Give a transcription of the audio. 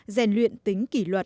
rèn luyện tính kỷ luật